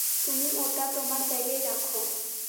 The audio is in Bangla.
তুমি ওটা তোমার ব্যাগেই রাখো?